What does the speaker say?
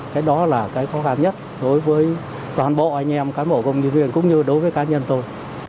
cái đó là cái khó khăn nhất đối với toàn bộ anh em cán bộ công nhân viên cũng như đối với cá nhân tôi